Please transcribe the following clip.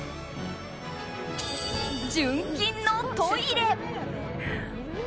純金のトイレ。